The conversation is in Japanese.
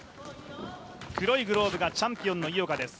黒いグローブがチャンピオンの井岡です。